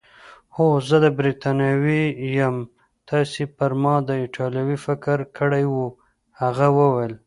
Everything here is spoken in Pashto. هو، زه بریتانوی یم، تاسي پر ما د ایټالوي فکر کړی وو؟ هغه وویل.